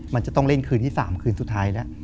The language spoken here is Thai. มันจะต้องเล่นคืนที่๓คืนสุดท้ายแล้ว